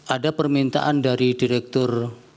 ada permintaan dari direktur